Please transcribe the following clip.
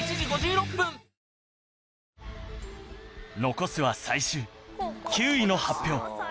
残すは最終９位の発表